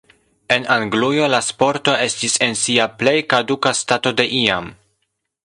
En Anglujo la sporto estis en sia plej kaduka stato de iam.